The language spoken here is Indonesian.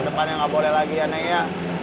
depannya ga boleh lagi ya nek ya